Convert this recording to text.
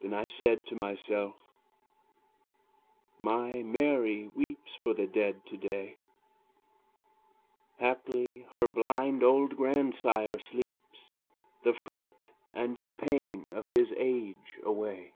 Then I said to myself, "My Mary weeps For the dead to day: Haply her blind old grandsire sleeps The fret and the pain of his age away."